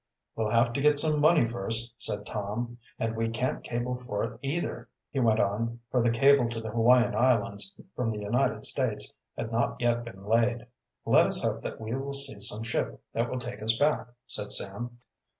"We'll have to get some money first," said Tom. "And we can't cable for it, either," he went on, for the cable to the Hawaiian Islands from the United States had not yet been laid. "Let us hope that we will see some ship that will take us back," said Sam.